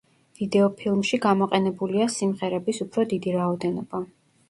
ვიდეოფილმში გამოყენებულია სიმღერების უფრო დიდი რაოდენობა.